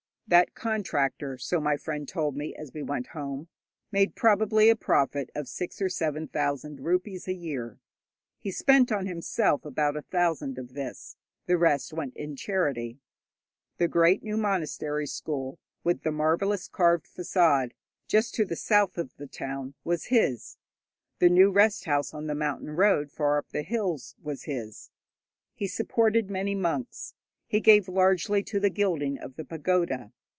That contractor, so my friend told me as we went home, made probably a profit of six or seven thousand rupees a year. He spent on himself about a thousand of this; the rest went in charity. The great new monastery school, with the marvellous carved façade, just to the south of the town, was his, the new rest house on the mountain road far up in the hills was his. He supported many monks, he gave largely to the gilding of the pagoda.